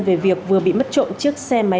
về việc vừa bị mất trộm chiếc xe máy